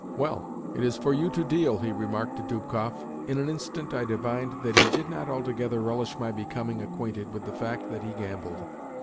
"Well, it is for you to deal," he remarked to Dubkoff. In an instant I divined that he did not altogether relish my becoming acquainted with the fact that he gambled.